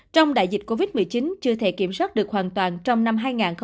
trong đại dịch covid một mươi chín chưa thể kiểm soát được hoàn toàn trong năm hai nghìn hai mươi